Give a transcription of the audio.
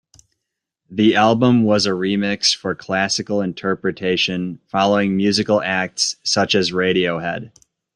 The album was a remix for classical interpretation, following musical acts such as Radiohead.